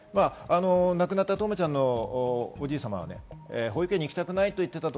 亡くなった冬生ちゃんのおじいさま、保育園に行きたくないと言っていた。